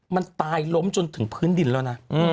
มันตายล้มจนถึงพื้นดินแล้วนะ